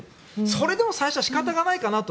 それでも最初は仕方ないかなと。